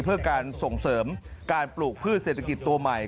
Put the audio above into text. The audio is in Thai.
เพื่อการส่งเสริมการปลูกพืชเศรษฐกิจตัวใหม่